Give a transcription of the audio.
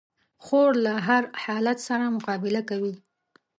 خور له هر حالت سره مقابله کوي.